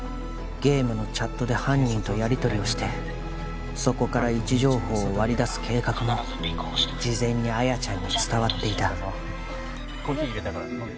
ゲームのチャットで犯人とやりとりをしてそこから位置情報を割り出す計画も事前に亜矢ちゃんに伝わっていたお疲れさまコーヒー入れたから飲んで